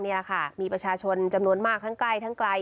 นี่แหละค่ะมีประชาชนจำนวนมากทั้งใกล้ทั้งไกล